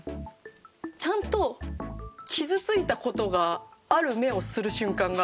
ちゃんと傷ついた事がある目をする瞬間があるから。